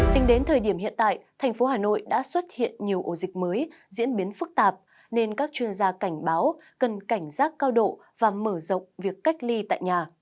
tính đến thời điểm hiện tại thành phố hà nội đã xuất hiện nhiều ổ dịch mới diễn biến phức tạp nên các chuyên gia cảnh báo cần cảnh giác cao độ và mở rộng việc cách ly tại nhà